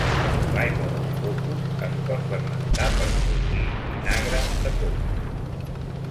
L"aigua dels cocos es pot fermentar per produir vinagre de coco.